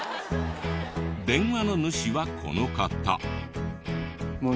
電話の主はこの方。